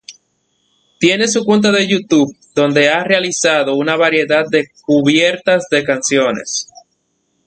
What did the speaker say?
Tiene su cuenta de YouTube, donde ha realizado una variedad de cubiertas de canciones.